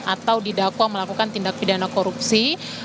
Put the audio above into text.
atau didakwa melakukan tindak pidana korupsi